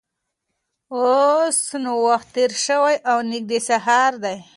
اوس نو وخت تېر شوی او نږدې سهار دی.